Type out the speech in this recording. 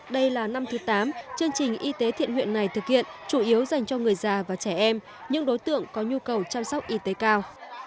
đây là năm thứ tám chương trình y tế thiện nguyện này thực hiện chủ yếu dành cho người già và trẻ em những đối tượng có nhu cầu chăm sóc y tế cao